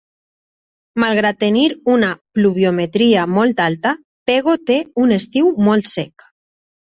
Malgrat tenir una pluviometria molt alta, Pego té un estiu molt sec.